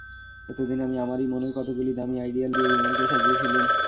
এতদিন আমি আমারই মনের কতকগুলি দামি আইডিয়াল দিয়ে বিমলকে সাজিয়েছিলুম।